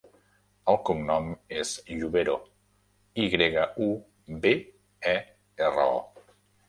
El cognom és Yubero: i grega, u, be, e, erra, o.